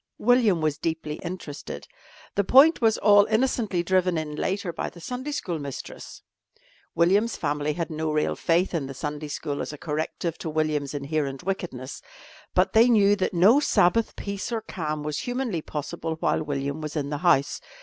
William was deeply interested. The point was all innocently driven in later by the Sunday school mistress. William's family had no real faith in the Sunday school as a corrective to William's inherent wickedness, but they knew that no Sabbath peace or calm was humanly possible while William was in the house.